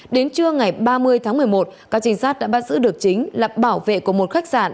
đến trưa ngày ba mươi tháng một mươi một các trinh sát đã bắt giữ được chính là bảo vệ của một khách sạn